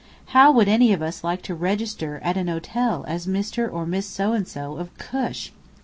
How would any of us like to "register" at an hotel as Mr. or Miss So and So, of Cush?